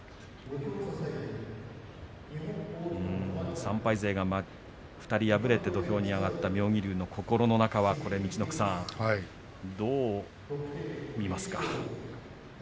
３敗勢が２人敗れて土俵に上がった妙義龍の心の中は陸奥さん、どう見ますか。